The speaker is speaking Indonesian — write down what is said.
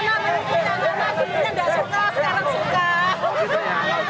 saya sudah setelah sekarang suka